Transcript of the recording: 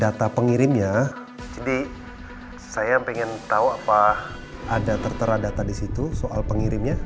data pengirimnya jadi saya ingin tahu apa ada tertera data di situ soal pengirimnya